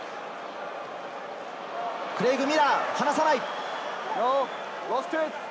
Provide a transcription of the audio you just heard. クレイグ・ミラー、離さない。